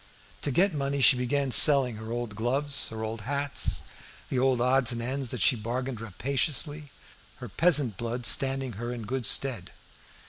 To get money she began selling her old gloves, her old hats, the old odds and ends, and she bargained rapaciously, her peasant blood standing her in good stead.